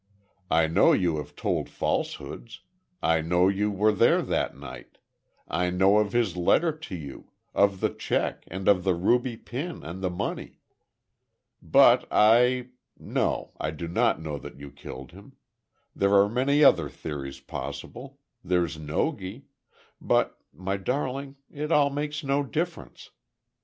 I know you have told falsehoods, I know you were there that night, I know of his letter to you, of the check and of the ruby pin and the money. But I—no, I do not know that you killed him. There are many other theories possible—there's Nogi—but, my darling, it all makes no difference.